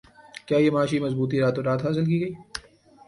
کیا یہ معاشی مضبوطی راتوں رات حاصل کی گئی